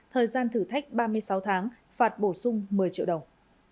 thời gian thử thách ba mươi sáu tháng phạt bổ sung một mươi triệu đồng